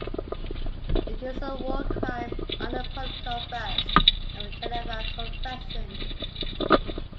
It is a war crime under Protocol I of the Geneva Convention.